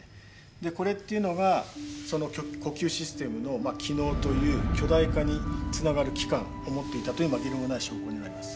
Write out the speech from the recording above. これっていうのがその呼吸システムの気嚢という巨大化につながる器官を持っていたという紛れもない証拠になります。